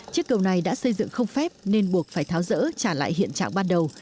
chiếc cầu này đã xây dựng không phép nên buộc phải tháo rỡ trả lại hiện trạng ban đầu